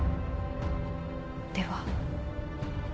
では。